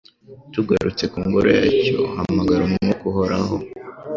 Tugarutse ku ngoro yacyo hamagara umwuka uhoraho?